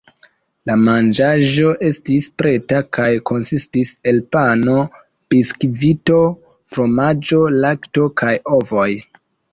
La manĝaĵo estis preta kaj konsistis el pano, biskvito, fromaĝo, lakto kaj ovoj.